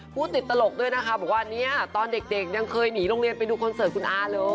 พูดติดตลกด้วยนะคะบอกว่าเนี่ยตอนเด็กยังเคยหนีโรงเรียนไปดูคอนเสิร์ตคุณอาเลย